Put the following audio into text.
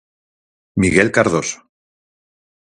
Miguel Cardoso.